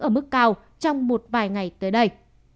ở mức cao trong một vài ngày tới đây